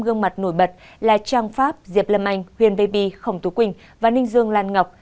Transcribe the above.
gương mặt nổi bật là trang pháp diệp lâm anh huyền vbi khổng tú quỳnh và ninh dương lan ngọc